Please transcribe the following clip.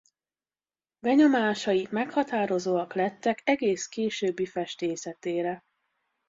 Benyomásai meghatározóak lettek egész későbbi festészetére.